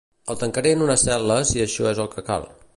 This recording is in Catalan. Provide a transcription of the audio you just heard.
El tancaré en una cel·la si això és el que cal.